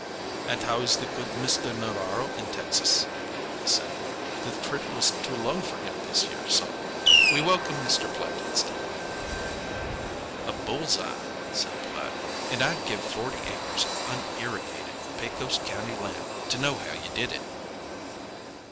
"And how is the good Mr. Navarro in Texas?" he said. "The trip was too long for him this year, so? We welcome Mr. Platt instead." "A bull's eye," said Platt, "and I'd give forty acres of unirrigated Pecos County land to know how you did it."